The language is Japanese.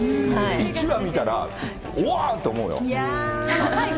１話見たら、おわーっと思うよ。